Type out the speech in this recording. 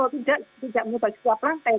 tidak tidak menyetar di setiap lantai